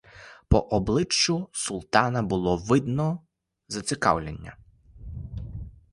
По обличчю султана було видно зацікавлення.